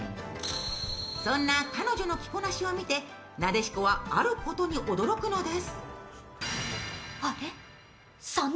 そんな彼女の着こなしを見て、撫子はあることに驚くのです。